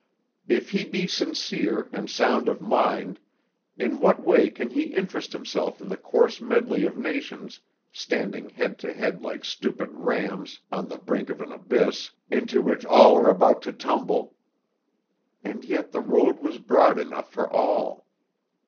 If he be sincere and sound of mind, in what way can he interest himself in the coarse medley of nations standing head to head like stupid rams on the brink of an abyss, into which all are about to tumble? And yet the road was broad enough for all.